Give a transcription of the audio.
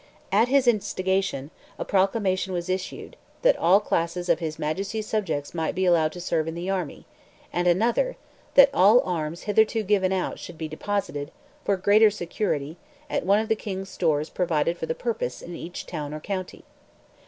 At his instigation, a proclamation was issued, that "all classes" of his Majesty's subjects might be allowed to serve in the army; and another, that all arms hitherto given out should be deposited, for greater security, at one of the King's stores provided for the purpose in each town or county.